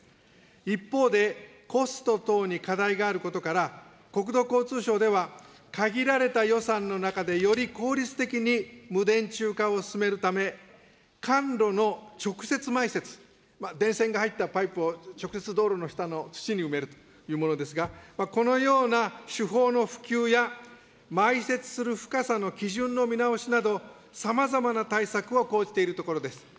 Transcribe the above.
一方で、コスト等に課題があることから、国土交通省では、限られた予算の中でより効率的に無電柱化を進めるため、管路の直接埋設、電線が入ったパイプを直接道路の下の土に埋めるというものですが、このような手法の普及や、埋設する深さの基準の見直しなど、さまざまな対策を講じているところです。